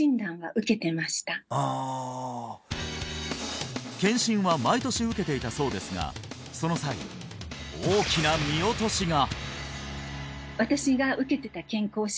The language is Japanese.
ああ健診は毎年受けていたそうですがその際大きな見落としが！